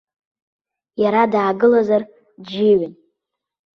Иара даагылазар джьиҩын.